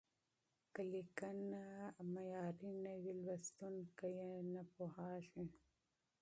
که لیکنه معیاري نه وي، لوستونکي یې نه پوهېږي.